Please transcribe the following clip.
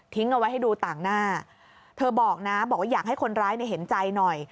เอาไว้ให้ดูต่างหน้าเธอบอกนะบอกว่าอยากให้คนร้ายเห็นใจหน่อย